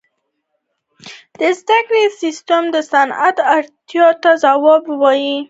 • د زدهکړې سیستم د صنعت اړتیاو ته ځواب وویل.